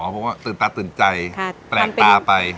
บอกว่าตื่นตาตื่นใจแปลกตาไป